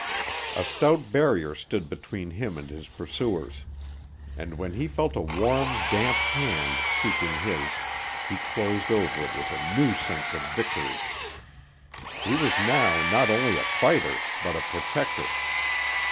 A stout barrier stood between him and his pursuers. And when he felt a warm, damp hand seeking his he closed over it with a new sense of victory. He was now not only a fighter, but a protector.